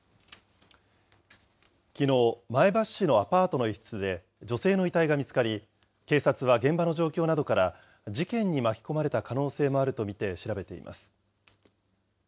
きのう、前橋市のアパートの一室で、女性の遺体が見つかり、警察は現場の状況などから、事件に巻き込まれた可能性もあると見て調べています。